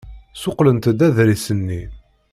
Ssuqqlent-d aḍris-nni.